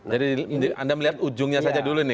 jadi anda melihat ujungnya saja dulu ini